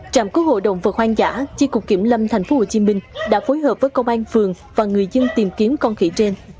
trạm cứu hội động vật hoang dã chi cục kiểm lâm tp hcm đã phối hợp với công an phường và người dân tìm kiếm con khỉ trên